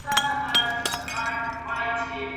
باد لا شغیږي او تبجنه هوا